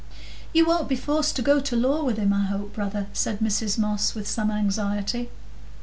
"You won't be forced to go to law with him, I hope, brother?" said Mrs Moss, with some anxiety.